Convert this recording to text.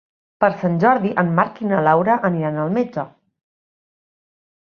Per Sant Jordi en Marc i na Laura aniran al metge.